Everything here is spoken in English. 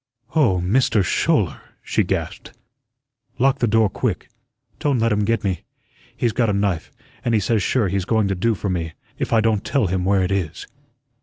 "Oh, MISTER Schouler," she gasped, "lock the door quick. Don't let him get me. He's got a knife, and he says sure he's going to do for me, if I don't tell him where it is."